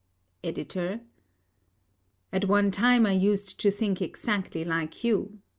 EDITOR: At one time I used to think exactly like you.